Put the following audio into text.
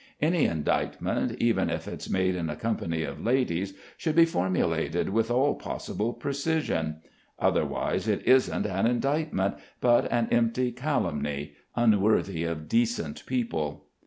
Any indictment, even if it's made in a company of ladies, should be formulated with all possible precision; otherwise it isn't an indictment, but an empty calumny, unworthy of decent people.